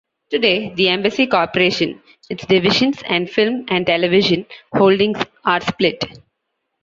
Today, the Embassy corporation, its divisions and film and television holdings, are split.